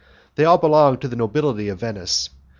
They all belonged to the nobility of Venice.